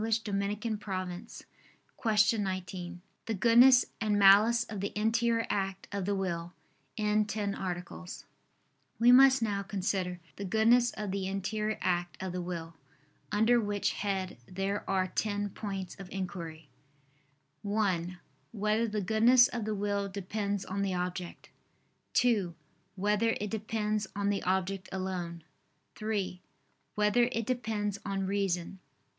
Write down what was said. ________________________ QUESTION 19 OF THE GOODNESS AND MALICE OF THE INTERIOR ACT OF THE WILL (In Ten Articles) We must now consider the goodness of the interior act of the will; under which head there are ten points of inquiry: (1) Whether the goodness of the will depends on the object? (2) Whether it depends on the object alone? (3) Whether it depends on reason?